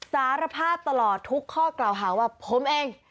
สารภาพตลอดทุกข้อกล่าวหาว่าผมเอง